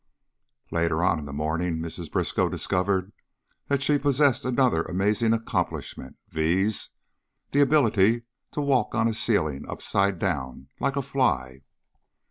Later on in the morning Mrs. Briskow discovered that she possessed another amazing accomplishment viz., the ability to walk on a ceiling, upside down, like a fly.